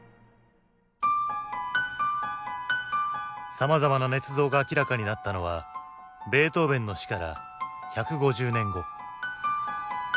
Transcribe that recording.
さまざまなねつ造が明らかになったのはベートーヴェンの死から１５０年後。